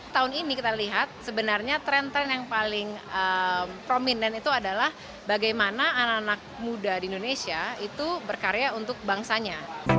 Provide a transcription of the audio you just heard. tahun ini kita lihat sebenarnya tren tren yang paling prominent itu adalah bagaimana anak anak muda di indonesia itu berkarya untuk bangsanya